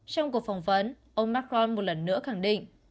trong cuộc phỏng vấn ông macron một lần nữa khẳng định